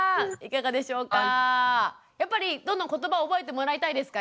やっぱりどんどんことば覚えてもらいたいですか？